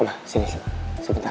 oma sini sebentar